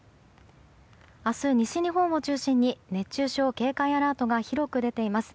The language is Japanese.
明日、西日本を中心に熱中症警戒アラートが広く出ています。